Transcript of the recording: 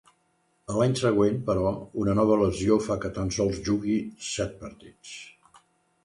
A l'any següent, però, una nova lesió fa que tan sols jugue set partits.